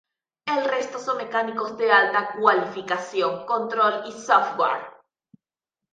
El resto son mecánicos de alta cualificación, control y software.